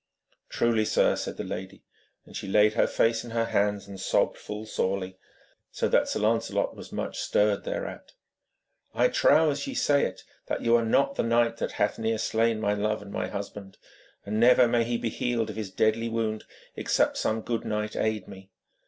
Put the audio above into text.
'Truly, sir,' said the lady, and she laid her face in her hands and sobbed full sorely, so that Sir Lancelot was much stirred thereat, 'I trow, as ye say it, that you are not the knight that hath near slain my love and my husband. And never may he be healed of his deadly wound except some good knight aid me.